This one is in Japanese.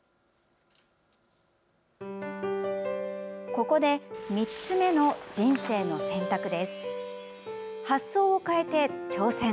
ここで３つ目の人生の選択です。